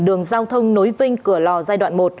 đường giao thông nối vinh cửa lò giai đoạn một